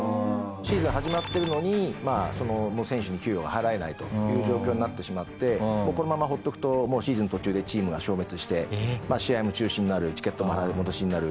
シーズン始まってるのにその選手に給料が払えないという状況になってしまってこのまま放っておくとシーズン途中でチームが消滅して試合も中止になるチケットも払い戻しになる。